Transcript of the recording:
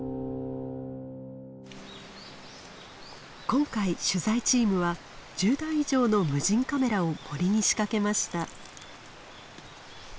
今回取材チームは１０台以上の無人カメラを森に仕掛けました。